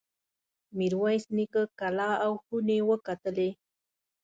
میرویس نیکه کلا او خونې وکتلې.